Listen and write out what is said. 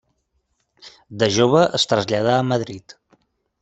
De jove es traslladà a Madrid.